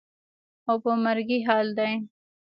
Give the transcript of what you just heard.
او په مرګي حال دى.